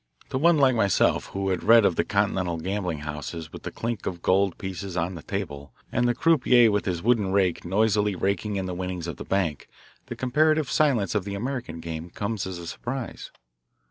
To one like myself who had read of the Continental gambling houses with the clink of gold pieces on the table, and the croupier with his wooden rake noisily raking in the winnings of the bank, the comparative silence of the American game comes as a surprise.